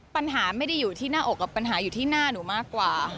ปัญหาไม่ได้อยู่ที่หน้าอกกับปัญหาอยู่ที่หน้าหนูมากกว่า